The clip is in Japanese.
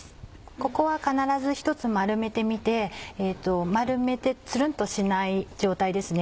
ここは必ず１つ丸めてみて丸めてツルンとしない状態ですね